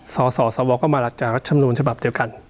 สอสอสอวรก็มาจากรัฐมนูลฉบับเดียวกัน